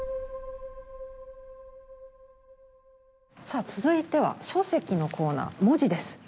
さあ続いては書籍のコーナー文字です。